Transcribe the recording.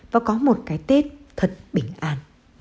và có một cái tết thật bình an